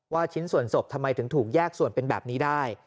ชิ้นส่วนศพทำไมถึงถูกแยกส่วนเป็นแบบนี้ได้